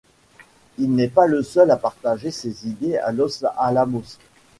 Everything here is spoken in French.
Il n'est pas le seul à partager ces idées à Los Alamos.